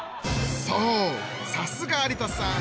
そうさすが有田さん！